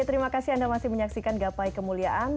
terima kasih anda masih menyaksikan gapai kemuliaan